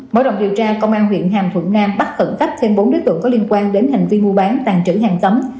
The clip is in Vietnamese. mỗi đồng điều tra công an huyện hàm thuận nam bắt khẩn cách thêm bốn đối tượng có liên quan đến hành vi mua bán tàn trữ hàng cắm